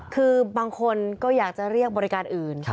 คือบางคนก็อยากจะเรียกบริการอื่น